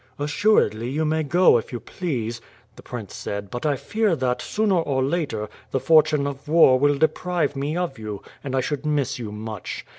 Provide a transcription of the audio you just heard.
"Assuredly you may go if you please," the prince said; "but I fear that, sooner or later, the fortune of war will deprive me of you, and I should miss you much.